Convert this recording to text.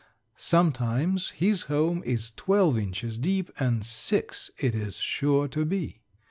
Sometimes his home is twelve inches deep, and six it is sure to be.